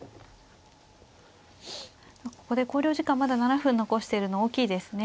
ここで考慮時間まだ７分残してるの大きいですね。